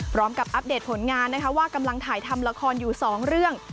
อัปเดตผลงานนะคะว่ากำลังถ่ายทำละครอยู่๒เรื่อง